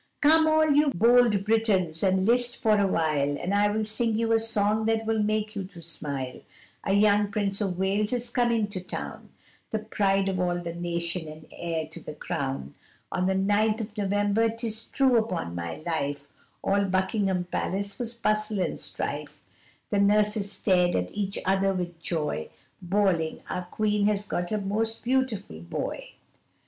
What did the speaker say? Come all you bold Britons, and list for awhile, And I will sing you a song that will make you to smile, A young Prince of Wales is come to town, The pride of all the nation, and heir to the crown, On the ninth of November, 'tis true 'pon my life, All Buckingham Palace was bustle and strife, The nurses stared at each other with joy, Bawling, our queen she has got a most beautiful boy.